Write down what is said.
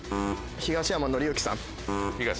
東山紀之さん。